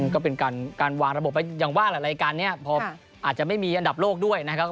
ก็เป็นการวางระบบไว้อย่างว่าแหละรายการนี้พออาจจะไม่มีอันดับโลกด้วยนะครับ